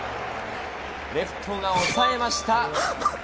レフトがおさえました。